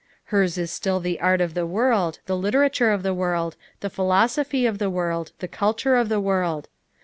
Hers is still the art of the world, the literature of the world, the philosophy of the world, the culture of the world.